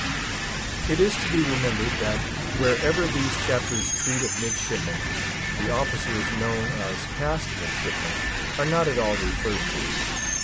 It is to be remembered that, wherever these chapters treat of midshipmen, the officers known as passed midshipmen are not at all referred to.